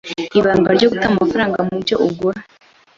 Ibanga ryo guta amafaranga mu byo ugura,